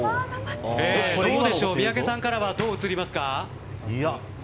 どうでしょう三宅さんからはどう映りますか。